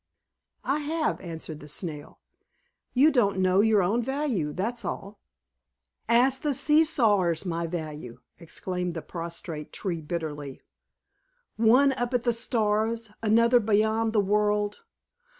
"I have," answered the Snail. "You don't know your own value, that's all." "Ask the see sawers my value!" exclaimed the prostrate Tree, bitterly. "One up at the stars, another beyond the world!